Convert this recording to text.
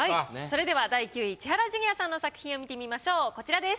それでは第９位千原ジュニアさんの作品を見てみましょうこちらです。